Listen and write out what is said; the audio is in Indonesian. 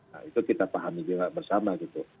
nah itu kita pahami juga bersama gitu